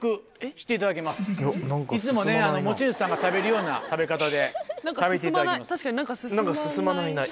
いつも持ち主さんが食べるような食べ方で食べていただきます。